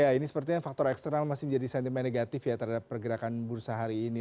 ya ini sepertinya faktor eksternal masih menjadi sentimen negatif ya terhadap pergerakan bursa hari ini